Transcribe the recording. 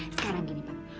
sekarang gini pak